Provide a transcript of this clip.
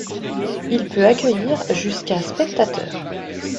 Il peut accueillir jusqu'à spectateurs.